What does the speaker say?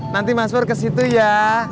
nanti mas nur ke situ ya